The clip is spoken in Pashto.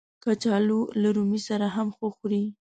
کچالو له رومي سره هم ښه خوري